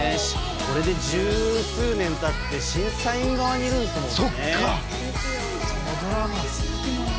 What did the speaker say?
これで十数年たって審査員側にいるんですもんね。